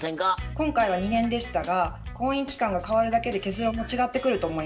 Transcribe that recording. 今回は２年でしたが婚姻期間が変わるだけで結論も違ってくると思います。